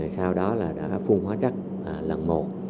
sau đó đã phun hóa chất lần một